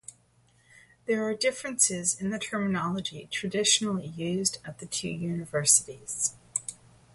There are differences in the terminology traditionally used at the two universities.